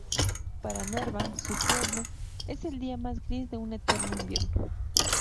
Para Nerva —su pueblo— es el día más gris de un eterno invierno.